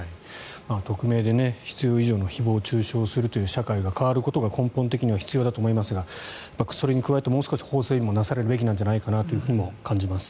匿名で必要以上の誹謗・中傷をするという社会が変わることが根本的には必要だと思いますがそれに加えて、もう少し法整備もなされるべきなんじゃないかなとも思います。